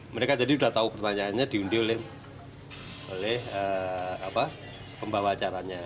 mereka jadi sudah tahu pertanyaannya diundi oleh pembawa acaranya